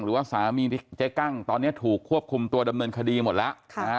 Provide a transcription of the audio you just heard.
หรือว่าสามีเจ๊กั้งตอนนี้ถูกควบคุมตัวดำเนินคดีหมดแล้ว